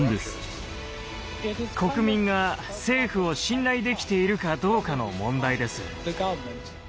国民が政府を信頼できているかどうかの問題です。